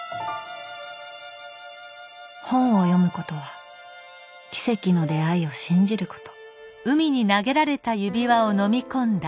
本を読むことは奇跡の出会いを信じること。